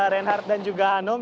reinhardt dan juga hanum